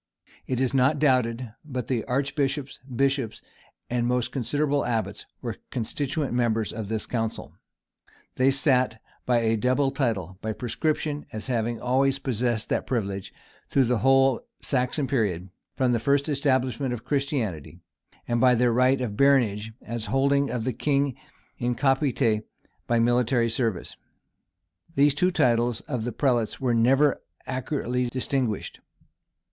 It is not doubted but the archbishops, bishops, and most considerable abbots were constituent members of this council. They sat by a double title: by prescription, as having always possessed that privilege, through the whole Saxon period, from the first establishment of Christianity; and by their right of baronage, as holding of the king in capite by military service. These two titles of the prelates were never accurately distinguished.